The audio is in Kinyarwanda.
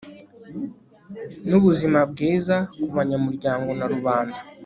n ubuzima bwiza ku banyamuryango na rubanda